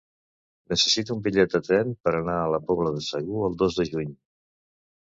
Necessito un bitllet de tren per anar a la Pobla de Segur el dos de juny.